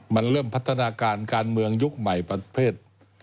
มันเริ่มพัฒนาการการเมืองยุคใหม่ประเภท